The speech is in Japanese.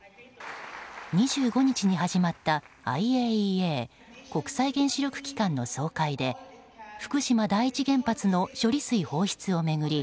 ２５日に始まったＩＡＥＡ・国際原子力機関の総会で福島第一原発の処理水放出を巡り